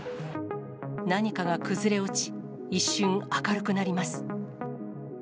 何かが崩れ落ち、一瞬、明るくなります。